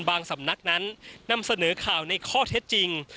สำนักนั้นนำเสนอข่าวในข้อเท็จจริง